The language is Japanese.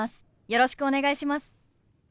よろしくお願いします。